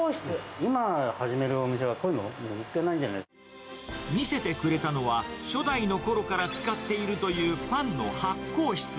今、始めるお店は、見せてくれたのは、初代のころから使っているという、パンの発酵室。